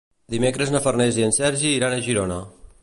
Dimecres na Farners i en Sergi iran a Girona.